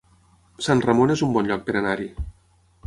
Sant Ramon es un bon lloc per anar-hi